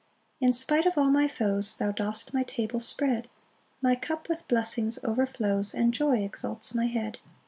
5 In spite of all my foes, Thou dost my table spread, My cup with blessings overflows, And joy exalts my head.